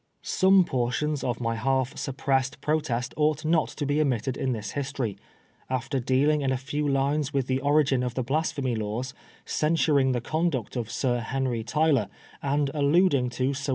Some portions of my half suppressed protest ought not to be omitted in this history. After dealing in a few lines with the origin of the Blasphemy Laws, censuring the conduct of Sir Henry Tyler, and allud ing to Sir.